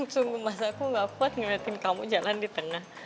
sungguh masa aku gak kuat ngeliatin kamu jalan di tengah